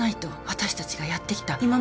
私たちがやってきた